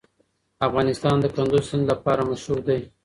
افغانستان د کندز سیند لپاره مشهور دی.